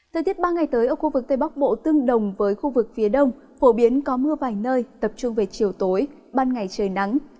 thời tiết ba ngày tới ở khu vực tây bắc bộ tương đồng với khu vực phía đông phổ biến có mưa vài nơi tập trung về chiều tối ban ngày trời nắng